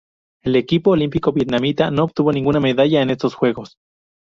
El equipo olímpico vietnamita no obtuvo ninguna medalla en estos Juegos.